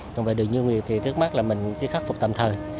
nhưng về điều nguyên việt thì trước mắt là mình sẽ khắc phục tạm thời